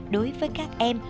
đối với các em